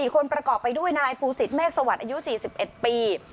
๔คนประกอบไปด้วยนายภูสิตเมฆสวัสดิ์อายุ๔๑ปี